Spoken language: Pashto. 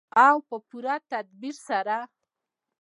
او په پوره تدبیر سره.